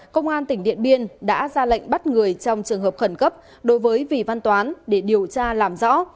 công an tỉnh điện biên đã ra lệnh bắt người trong trường hợp khẩn cấp đối với vị văn toán để điều tra làm rõ